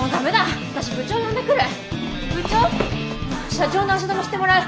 社長の足止めしてもらう。